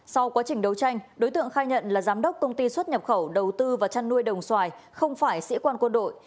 sau quá trình đấu tranh đối tượng khai nhận là giám đốc công ty xuất nhập khẩu đầu tư và chăn nuôi đồng xoài không phải sĩ quan quân đội